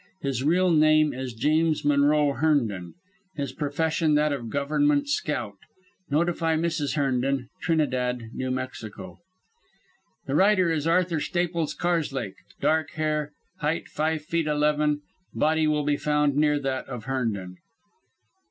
His real name is James Monroe Herndon; his profession that of government scout. Notify Mrs. Herndon, Trinidad, New Mexico. "The writer is Arthur Staples Karslake, dark hair, height five feet eleven, body will be found near that of Herndon.